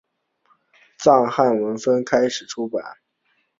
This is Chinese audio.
藏汉文分开出版。